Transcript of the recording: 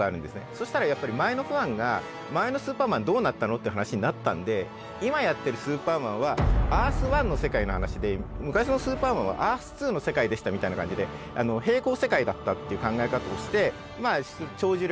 そしたらやっぱり前のファンが前の「スーパーマン」どうなったの？って話になったんで今やってる「スーパーマン」はアース１の世界の話で昔の「スーパーマン」はアース２の世界でしたみたいな感じで並行世界だったっていう考え方をしてまあ帳尻を合わしたんです。